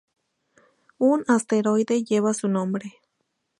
Un asteroide lleva su nombre.